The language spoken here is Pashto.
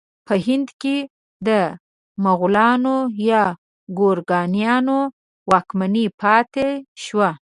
په هند کې د مغلانو یا ګورکانیانو واکمني پاتې شوه.